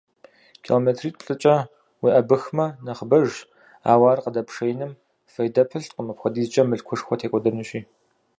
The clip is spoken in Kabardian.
Километритӏ-плӏыкӏэ уеӏэбыхмэ нэхъыбэжщ, ауэ ар къыдэпшеиным фейдэ пылъкъым, апхуэдизкӏэ мылъкушхуэ текӏуэдэнущи.